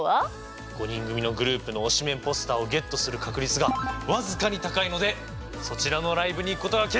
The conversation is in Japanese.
５人組のグループの推しメンポスターをゲットする確率が僅かに高いのでそちらのライブに行くことが決定しました！